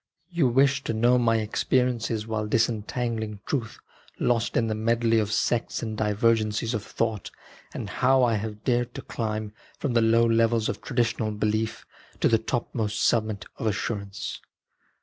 You wish to know my experiences while disentangling truth lost in the medley of sects and divergencies of thought, and how I have dared to climb from the low levels of tradi tional belief to the topmost summit of assurance.